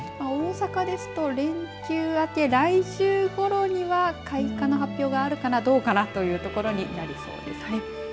大阪ですと連休明け、来週ごろには開花の発表があるかなどうかなというところになりそうですね。